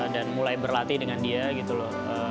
dan mulai berlatih dengan dia gitu loh